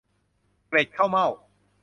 เกล็ดข้าวเม่า